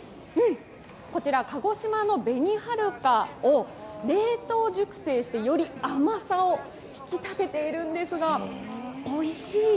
こちら、鹿児島の紅はるかを冷凍熟成して、より甘さをひき立てているんですが、おいしい。